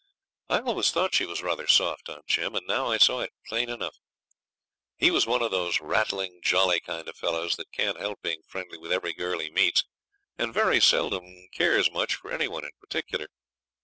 I always thought she was rather soft on Jim, and now I saw it plain enough. He was one of those rattling, jolly kind of fellows that can't help being friendly with every girl he meets, and very seldom cares much for any one in particular.